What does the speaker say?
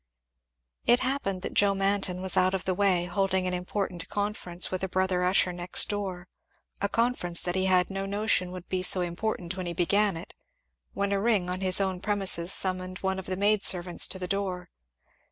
It happened that Joe Manton was out of the way, holding an important conference with a brother usher next door, a conference that he had no notion would be so important when he began it; when a ring on his own premises summoned one of the maid servants to the door.